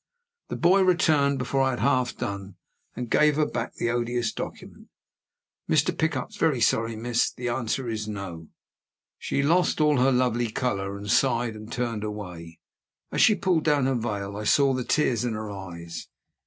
The boy returned before I had half done, and gave her back the odious document. "Mr. Pickup's very sorry, miss. The answer is, No." She lost all her lovely color, and sighed, and turned away. As she pulled down her veil, I saw the tears in her eyes.